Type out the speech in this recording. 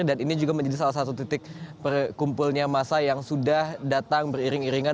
dan ini juga menjadi salah satu titik perkumpulnya masa yang sudah datang beriring iringan